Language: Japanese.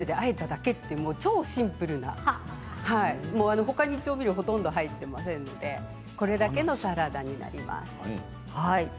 にんじんと甘夏それをオイルであえただけ超シンプルなほかに調味料はほとんど入っていませんのでこれだけのサラダになります。